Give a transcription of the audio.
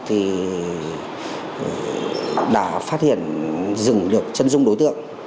thì đã phát hiện dừng được chân dung đối tượng